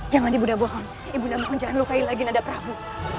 jangan ibu dah bohong ibu dah bohong jangan lukai lagi nanda prabu